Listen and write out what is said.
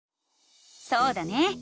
そうだね！